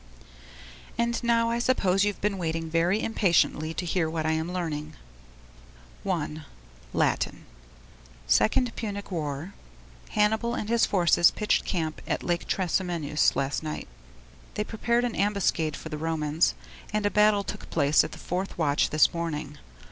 And now I suppose you've been waiting very impatiently to hear what I am learning? I. Latin: Second Punic war. Hannibal and his forces pitched camp at Lake Trasimenus last night. They prepared an ambuscade for the Romans, and a battle took place at the fourth watch this morning.